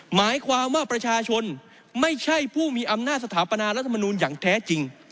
หมายความว่าประชาชนไม่ใช่ผู้มีอำนาจสถาปนารัฐมนูลอย่างแท้จริง